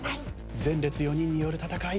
前列４人による戦い。